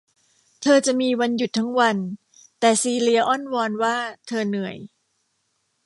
เธอจะมีวันหยุดทั้งวัน แต่ซีเลียอ้อนวอนว่าเธอเหนื่อย